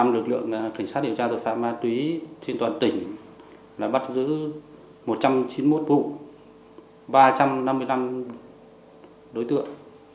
lực lượng cảnh sát điều tra tội phạm ma túy trên toàn tỉnh đã bắt giữ một trăm chín mươi một vụ ba trăm năm mươi năm đối tượng